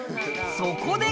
そこで！